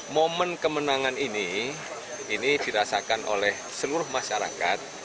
momen kemenangan ini ini dirasakan oleh seluruh masyarakat